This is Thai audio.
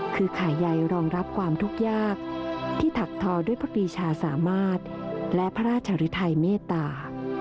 คือขายใยรองรับความทุกข์ยากที่ถักทอด้วยพระปีชาสามารถและพระราชริไทยเมตตา